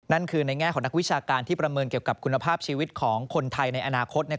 นั่นคือในแง่ของนักวิชาการที่ประเมินเกี่ยวกับคุณภาพชีวิตของคนไทยในอนาคต